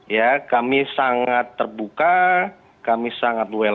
ya kami sangat terbuka kami sangat well